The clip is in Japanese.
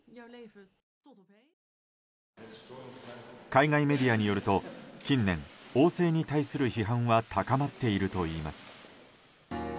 海外メディアによると近年、王制に対する批判は高まっているといいます。